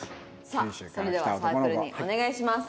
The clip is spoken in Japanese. さあそれではサークルにお願いします。